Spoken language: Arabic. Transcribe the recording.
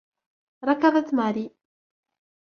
ركضت ماري.